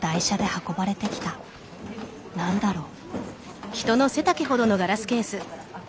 何だろう？